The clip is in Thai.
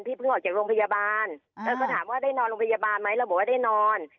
เพิ่งออกจากโรงพยาบาลก็ถามว่าได้นอนโรงพยาบาลไหมเราบอกว่าได้นอน